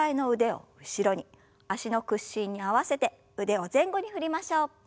脚の屈伸に合わせて腕を前後に振りましょう。